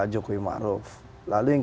jokowi ma'ruf lalu yang